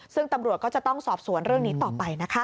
ซึ่งตำรวจก็จะต้องสอบสวนเรื่องนี้ต่อไปนะคะ